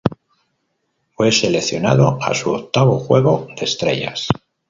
Fue seleccionado a su octavo Juego de Estrellas.